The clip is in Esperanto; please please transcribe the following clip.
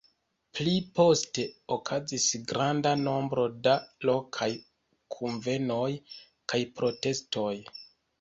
Pli poste, okazis granda nombro da lokaj kunvenoj kaj protestoj.